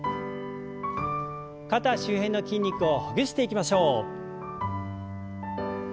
肩周辺の筋肉をほぐしていきましょう。